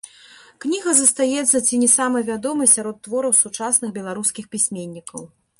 Кніга застаецца ці не самай вядомай сярод твораў сучасных беларускіх пісьменнікаў.